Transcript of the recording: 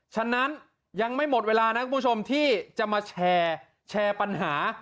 ฉะนั้นยังไม่หมดเวลานะคุณผู้ชมที่จะมาแชร์ปัญหา